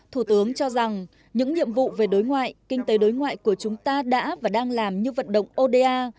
thủ tướng cho rằng những nhiệm vụ về đối ngoại kinh tế đối ngoại của chúng ta đã và đang làm như vận động oda